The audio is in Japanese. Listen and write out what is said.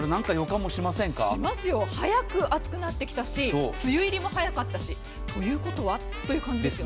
早く暑くなってきたし梅雨入りも早かったし。ということは？という感じですよ。